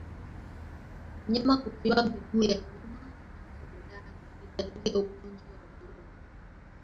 Mnyama kuvimba miguu ya nyuma na korodani ni dalili ya ugonjwa wa ndorobo